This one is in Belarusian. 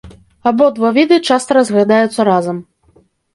Абодва віды часта разглядаюцца разам.